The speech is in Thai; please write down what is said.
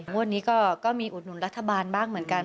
วันนี้ก็มีอุดหนุนรัฐบาลบ้างเหมือนกัน